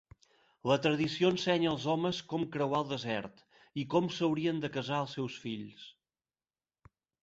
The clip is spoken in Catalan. La tradició ensenya als homes com creuar el desert, i com s'haurien de casar els seus fills.